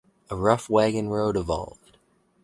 A rough wagon road evolved.